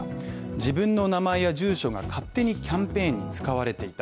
自分の名前や住所が勝手にキャンペーン使われていた。